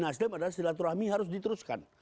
nasdem adalah silaturahmi harus diteruskan